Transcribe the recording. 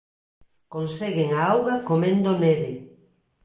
Conseguen a auga comendo neve.